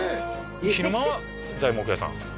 昼間は材木屋さん